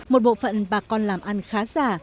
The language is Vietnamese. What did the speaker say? một bộ phận bà con làm ăn khá già